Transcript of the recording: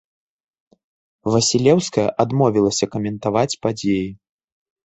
Васілеўская адмовілася каментаваць падзеі.